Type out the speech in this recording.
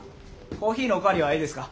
コーヒーのお代わりはええですか？